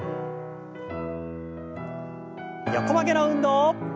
横曲げの運動。